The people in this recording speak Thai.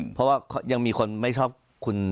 เพราะว่ายังมีคนไม่ชอบคุณ